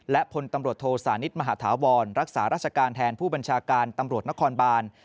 และพลตำรวจโทสานิทมหาธาวรรักษาราชการแทนผู้บัญชาการตำรวจนครบาน